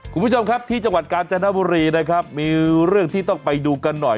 คุณผู้ชมครับที่จังหวัดกาญจนบุรีนะครับมีเรื่องที่ต้องไปดูกันหน่อย